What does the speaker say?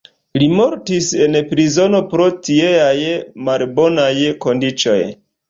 Li mortis en prizono pro tieaj malbonaj kondiĉoj.